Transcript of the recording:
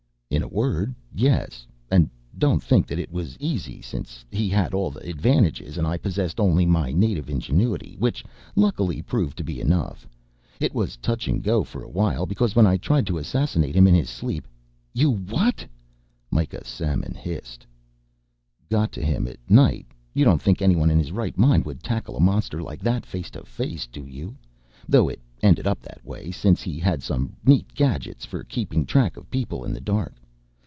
"In a word yes. And don't think that it was easy since he had all the advantages and I possessed only my native ingenuity, which luckily proved to be enough. It was touch and go for a while because when I tried to assassinate him in his sleep " "You what?" Mikah Samon hissed. "Got to him at night. You don't think anyone in his right mind would tackle a monster like that face to face do you? Though it ended up that way, since he had some neat gadgets for keeping track of people in the dark.